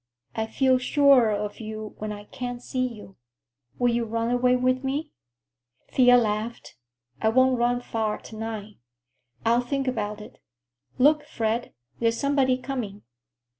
I feel surer of you when I can't see you. Will you run away with me?" Thea laughed. "I won't run far to night. I'll think about it. Look, Fred, there's somebody coming."